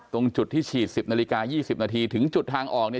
ตรงจุดที่ฉีด๑๐นาฬิกา๒๐นาทีถึงจุดทางออกเนี่ย